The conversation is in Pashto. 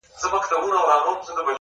همداسې دفاع یې ترې وکړه